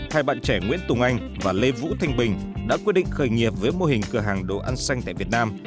hai bạn trẻ nguyễn tùng anh và lê vũ thanh bình đã quyết định khởi nghiệp với mô hình cửa hàng đồ ăn xanh tại việt nam